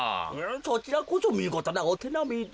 そちらこそみごとなおてなみで。